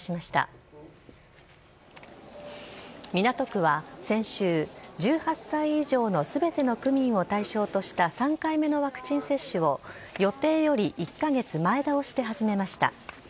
港区は先週、１８歳以上のすべての区民を対象とした３回目のワクチン接種を、予定より１か月前倒しで始めました。